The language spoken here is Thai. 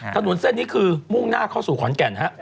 ถนนเส้นนี้คือมุ่งหน้าเข้าสู่ขอนแก่นฮะ